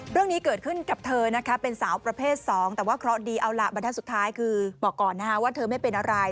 เรื่องนี้เกิดขึ้นกับเธอนะคะเป็นสาวประเภท๒แต่ว่าเคราะห์ดีเอาล่ะบรรทัศน์สุดท้ายคือบอกก่อนนะคะว่าเธอไม่เป็นอะไร